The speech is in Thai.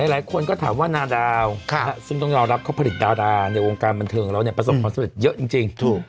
หลายคนก็ถามว่านาดาวซึ่งต้องยอมรับเขาผลิตดาราในวงการบันเทิงของเราประสบความสำเร็จเยอะจริง